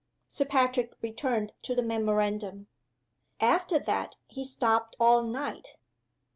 Sir Patrick returned to the memorandum. "'After that, he stopped all night.